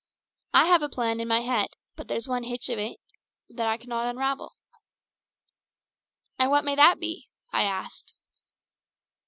I have a plan in my head, but there's one hitch in it that I cannot unravel." "And what may that be?" If asked.